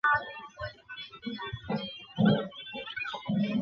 该公司开发了一种多屏幕付费电视运营商的平台。